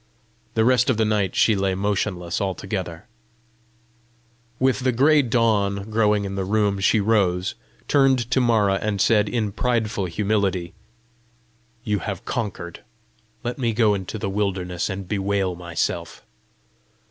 The rest of the night she lay motionless altogether. With the gray dawn growing in the room, she rose, turned to Mara, and said, in prideful humility, "You have conquered. Let me go into the wilderness and bewail myself."